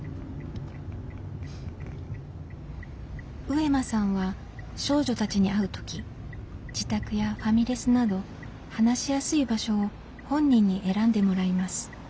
上間さんは少女たちに会う時自宅やファミレスなど話しやすい場所を本人に選んでもらいます。